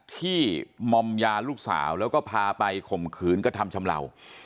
มอมยาลูกสาวแล้วก็พาไปข่มขืนกระทำชำเหล่า